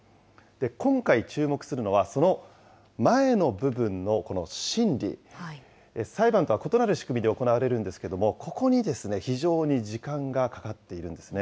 今回注目するのは、その前の部分のこの審理、裁判とは異なる仕組みで行われるんですけれども、ここに非常に時間がかかっているんですね。